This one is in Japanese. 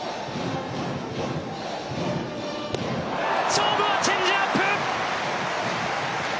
勝負はチェンジアップ！！